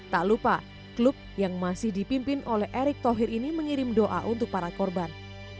tak lupa klub yang masih dipimpin oleh erick thohir ini mengirim doa untuk para korban